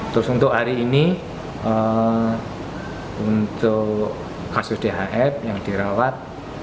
terus untuk hari ini untuk kasus dhf yang dirawat